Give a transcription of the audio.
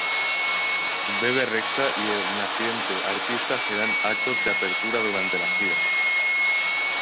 Bebe Rexha y el naciente artista serán actos de apertura durante la gira.